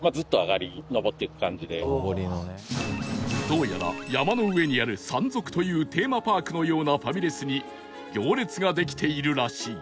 どうやら山の上にあるサンゾクというテーマパークのようなファミレスに行列ができているらしい